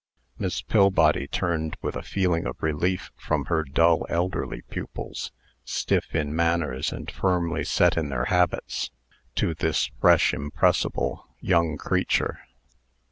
Miss Pillbody turned with a feeling of relief from her dull elderly pupils, stiff in manners, and firmly set in their habits, to this fresh, impressible young creature.